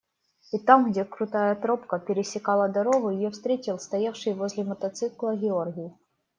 И там, где крутая тропка пересекала дорогу, ее встретил стоявший возле мотоцикла Георгий.